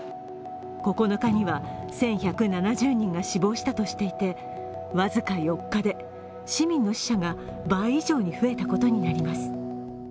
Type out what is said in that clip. ９日には１１７０人が死亡したとしていて僅か４日で市民の死者が倍以上に増えたことになります。